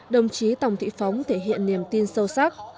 đồng chí tòng thị phóng thể hiện niềm tin sâu sắc